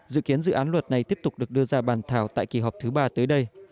dự kiến dự án luật này tiếp tục được đưa ra bàn thảo tại kỳ họp thứ ba tới đây